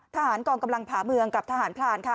ทหารกองกำลังผ่าเมืองกับทหารพลานค่ะ